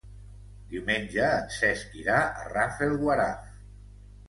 Diumenge en Cesc irà a Rafelguaraf.